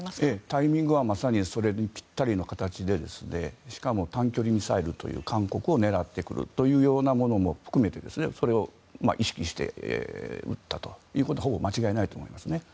タイミングはまさにぴったりな形でしかも短距離ミサイルという韓国を狙ってくるというものも含めてそれを意識して撃ったというのはほぼ間違いないと思います。